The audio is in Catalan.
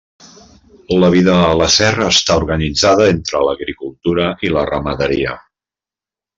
La vida a la serra està organitzada entre l'agricultura i la ramaderia.